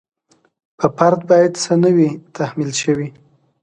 په فرد باید څه نه وي تحمیل شوي.